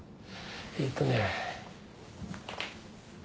えっとね。